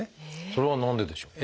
それは何ででしょう？